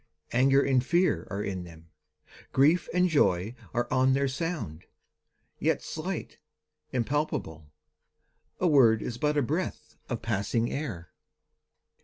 Anger and fear are in them; grief and joy Are on their sound; yet slight, impalpable: A word is but a breath of passing air.